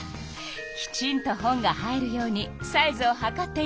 きちんと本が入るようにサイズをはかっているのね。